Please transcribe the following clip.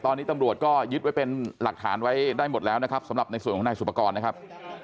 ตอนนี้ตำรวจก็ยึดไว้เป็นหลักฐานไว้ได้หมดแล้วนะครับสำหรับในส่วนของนายสุปกรณ์นะครับ